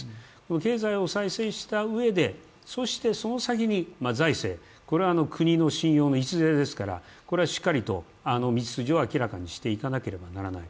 経済を再生したうえでそしてその先財政、国の信用の礎ですから、しっかりと道筋を明らかにしていかなければならない。